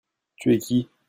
Tu es qui ?